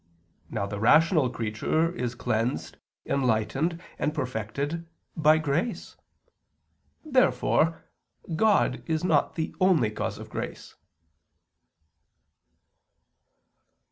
Now the rational creature is cleansed, enlightened, and perfected by grace. Therefore God is not the only cause of grace.